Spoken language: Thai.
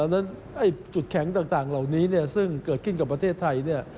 และจุดแข็งต่างเหล่านี้ซึ่งเกิดขึ้นกับประเทศไทย